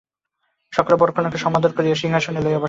সকলে বরকন্যাকে সমাদর করিয়া সিংহাসনে লইয়া বসাইল।